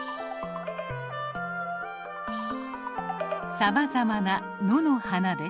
さまざまな野の花です。